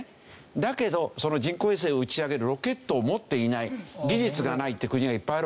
だけどその人工衛星を打ち上げるロケットを持っていない技術がないっていう国がいっぱいあるわけですよ。